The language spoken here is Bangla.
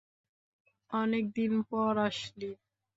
অনেক দিন পড় আসলি।